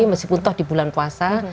meskipun toh di bulan puasa